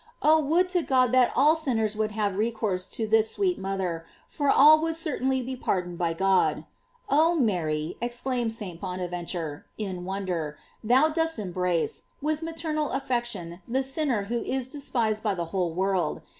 Oh, would to God that all sinners would have re course to this sweet mother, for all would cer tainly be pardoned by God. Oh Mary, exclaims St. Bouaventure, in wonder; thou dost embrace, with maternal affection the sinner who is de spised by the whole world!